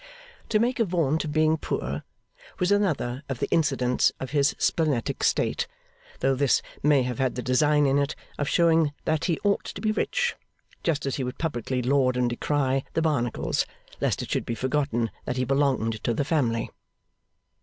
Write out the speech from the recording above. To make a vaunt of being poor was another of the incidents of his splenetic state, though this may have had the design in it of showing that he ought to be rich; just as he would publicly laud and decry the Barnacles, lest it should be forgotten that he belonged to the family.